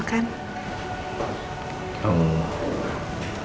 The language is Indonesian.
aku juga harus siap siap buat besok kan